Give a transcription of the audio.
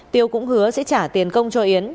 tiêu cũng hứa sẽ trả tiền công cho yến